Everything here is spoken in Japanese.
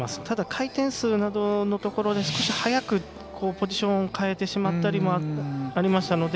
ただ回転数などのところで少し早くポジションを変えてしまったりもありました。